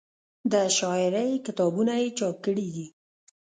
د شاعرۍ کتابونه یې چاپ کړي دي